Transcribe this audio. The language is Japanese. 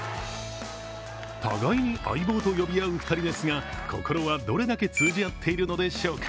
互いに相棒と呼び合う２人ですが、心はどれだけ通じ合っているのでしょうか。